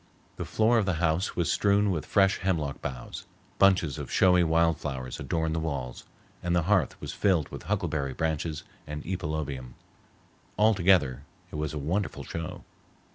The floor of the house was strewn with fresh hemlock boughs, bunches of showy wild flowers adorned the walls, and the hearth was filled with huckleberry branches and epilobium. Altogether it was a wonderful show.